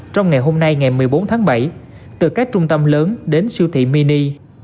trong ngày hôm nay ngày một mươi bốn tháng bảy từ các trung tâm lớn đến siêu thị mini